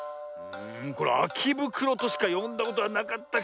これ「あきぶくろ」としかよんだことはなかったけど。